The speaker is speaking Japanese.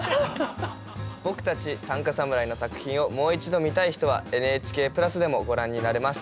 僕たち短歌侍の作品をもう一度見たい人はＮＨＫプラスでもご覧になれます。